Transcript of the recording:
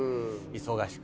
忙しくて。